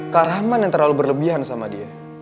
kak rahman yang terlalu berlebihan sama dia